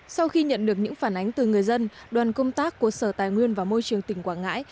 sau khi nhận được những phản ánh từ người dân đoàn công tác của sở tài nguyên và môi trường tỉnh quảng ngãi